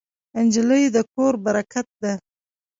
نجلۍ د کور برکت ده.